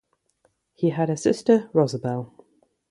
He had a sister Rosabelle.